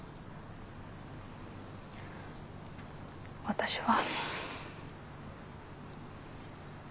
私は。